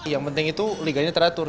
yang penting itu liganya teratur